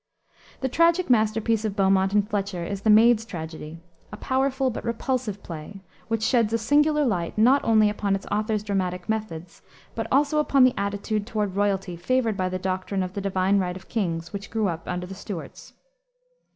The tragic masterpiece of Beaumont and Fletcher is The Maid's Tragedy, a powerful but repulsive play, which sheds a singular light not only upon its authors' dramatic methods, but also upon the attitude toward royalty favored by the doctrine of the divine right of kings, which grew up under the Stuarts.